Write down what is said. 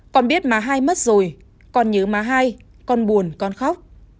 con biết má hai mất rồi con nhớ má hai con buồn con khóc